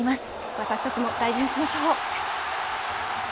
私たちも大事にしましょう。